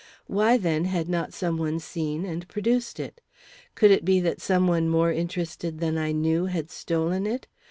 Why, then, had not some one seen and produced it? Could it be that some one more interested than I knew had stolen it?